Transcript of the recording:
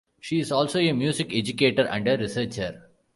She is also a music educator and a researcher.